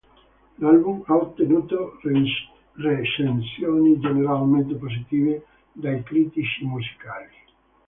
L'album ha ottenuto recensioni generalmente positive dai critici musicali.